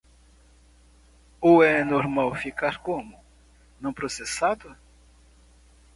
Ou é normal ficar como "não processado"?